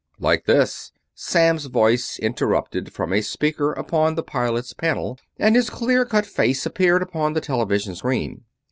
"Like this," Samms' voice interrupted from a speaker upon the pilot's panel and his clear cut face appeared upon the television screen.